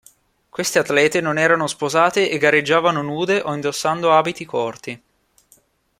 Queste atlete non erano sposate e gareggiavano nude o indossando abiti corti.